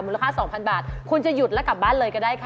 ค่า๒๐๐บาทคุณจะหยุดแล้วกลับบ้านเลยก็ได้ค่ะ